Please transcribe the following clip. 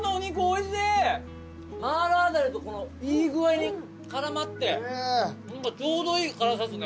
麻辣ダレといい具合に絡まってちょうどいい辛さですね